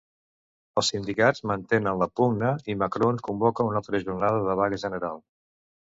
Els sindicats mantenen la pugna, i Macron convoca una altra jornada de vaga general.